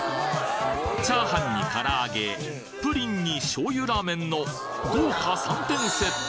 チャーハンにから揚げプリンに醤油ラーメンの豪華３点セット